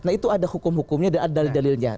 nah itu ada hukum hukumnya dan ada dalil dalilnya